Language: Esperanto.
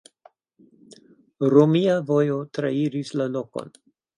Romia vojo trairis la lokon.